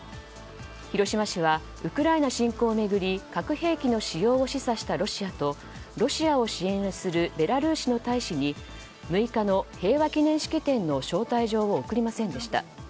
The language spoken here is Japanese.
広島市はウクライナ侵攻を巡り核兵器の使用を示唆したロシアとロシアを支援するベラルーシの大使に６日の平和記念式典の招待状を送りませんでした。